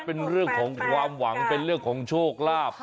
เป็นเรื่องของความหวังเป็นเรื่องของโชคลาภ